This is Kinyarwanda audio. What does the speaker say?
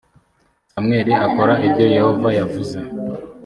samweli akora ibyo yehova yavuze